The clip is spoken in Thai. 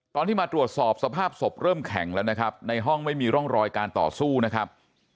ตอนที่มาตรวจสอบสภาพศพเริ่มแข็งแล้วนะครับในห้องไม่มีร่องรอยการต่อสู้นะครับ